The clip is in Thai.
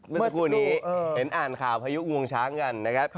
เมื่อสักครู่นี้เห็นอ่านข่าวพายุงวงช้างกันนะครับ